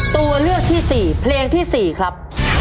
ตัวเลือกที่๔เพลงที่๔ครับ